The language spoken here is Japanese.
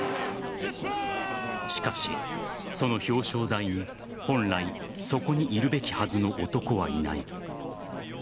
しかし、その表彰台に本来、そこにいるべきはずの男はいない。